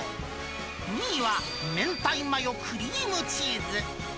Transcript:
２位は明太マヨクリームチーズ。